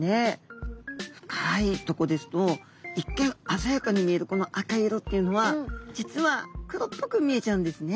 深いとこですと一見鮮やかに見えるこの赤い色っていうのは実は黒っぽく見えちゃうんですね。